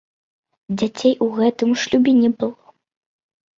Дзяцей у гэтым шлюбе не было.